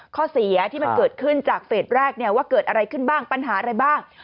ข้อเสียที่มันเกิดขึ้นจากเฟสแรกว่าเกิดอะไรขึ้นบ้างปัญหาอะไรบ้าง